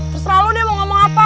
terserah lo deh mau ngomong apa